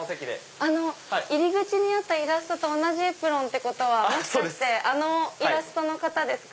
入り口にあったイラストと同じエプロンってことはもしかしてあのイラストの方ですか？